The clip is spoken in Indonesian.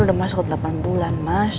udah masuk delapan bulan mas